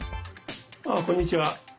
ああこんにちは。